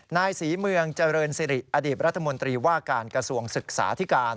นายศรีเมืองเจริญสิริอดีตรัฐมนตรีว่าการกระทรวงศึกษาที่การ